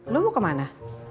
lo mau kemana